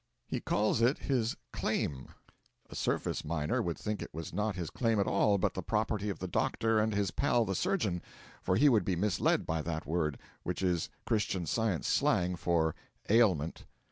He calls it his 'claim.' A surface miner would think it was not his claim at all, but the property of the doctor and his pal the surgeon for he would be misled by that word, which is Christian Science slang for 'ailment.'